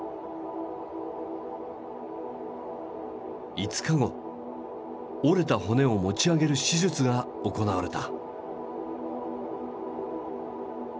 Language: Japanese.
５日後折れた骨を持ち上げる手術が行われた。